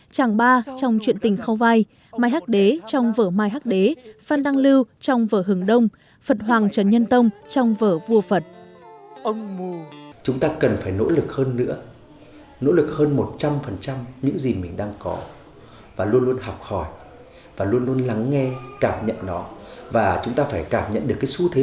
tràng ba trong chuyện tình khâu vai mai hắc đế trong phở mai hắc đế phan đăng lưu trong phở hừng đông phật hoàng trần nhân tông trong phở vua phật